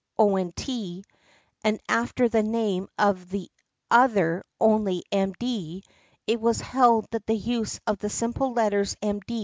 Ont.," and after the name of the other only "M.D.," it was held that the use of the simple letters "M.